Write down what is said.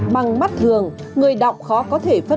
trong bắt thường người đọc khó có thể phát triển